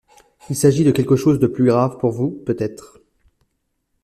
Il s’agit de quelque chose de plus grave pour vous, peut-être.